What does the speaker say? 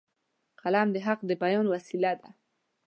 قلم د حق د بیان وسیله ده